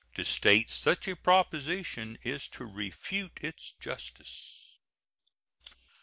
To state such a proposition is to refute its justice.